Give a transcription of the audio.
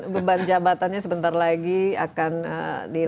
beban jabatannya sebentar lagi akan di repas